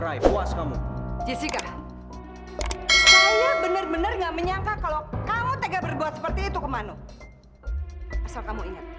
apaan kamu brenda